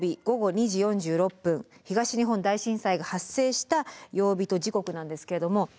東日本大震災が発生した曜日と時刻なんですけども。